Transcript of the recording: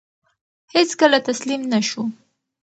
هیڅکله تسلیم نه شو.